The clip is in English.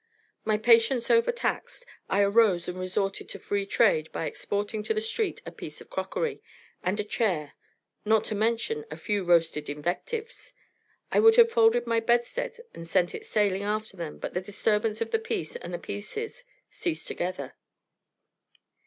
My patience overtaxed, I arose and resorted to free trade by exporting to the street a piece of crockery, and a chair, not to mention a few roasted invectives. I would have folded my bedstead and sent it sailing after them, but the disturbance of the peace and the pieces ceased together.